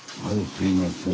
すいません。